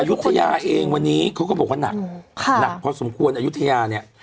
อายุทยาเองวันนี้เขาก็บอกว่าหนักค่ะหนักพอสมควรอายุทยาเนี่ย